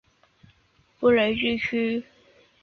福雷地区蒙泰圭人口变化图示